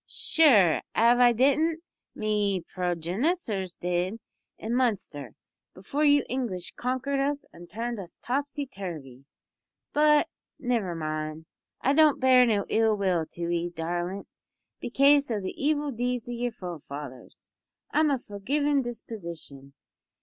"Sure, av I didn't, me progenissors did, in Munster, before you English konkered us an' turned us topsy turvy. But nivver mind. I don't bear no ill will to 'ee, darlint, bekaise o' the evil deeds o' yer forefathers. I'm of a forgivin' disposition.